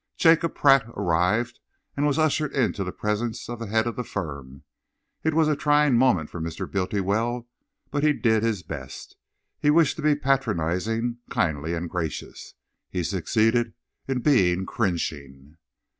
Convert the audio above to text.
Jacob Pratt arrived and was ushered into the presence of the head of the firm. It was a trying moment for Mr. Bultiwell, but he did his best. He wished to be patronising, kindly and gracious. He succeeded in being cringing.